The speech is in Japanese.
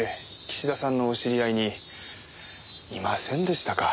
岸田さんのお知り合いにいませんでしたか？